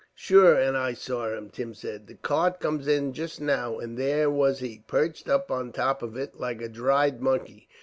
"Shure and I saw him," Tim said. "The cart come in just now, and there was he, perched up on the top of it like a dried monkey.